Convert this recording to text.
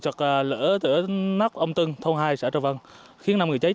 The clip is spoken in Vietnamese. sau vụ sạt lỡ từ nóc ông tuân thuộc thôn hai xã trà vân khiến năm người chết